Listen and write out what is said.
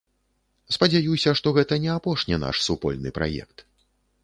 Спадзяюся, што гэта не апошні наш супольны праект.